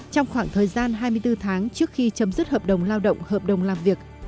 trong khoảng thời gian hai mươi bốn tháng trước khi chấm dứt hợp đồng lao động hợp đồng làm việc